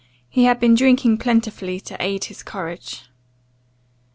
He had been drinking plentifully to aid his courage.